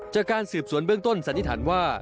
จากการสืบสวนเบื้องต้นสันนิษฐานว่า